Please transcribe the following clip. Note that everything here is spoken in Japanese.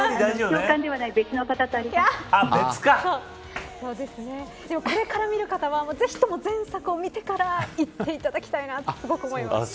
長官ではないですがこれから見る方はぜひとも前作を見てから行っていただきたいなとすごく思います。